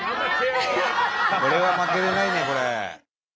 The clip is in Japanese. これは負けれないねこれ。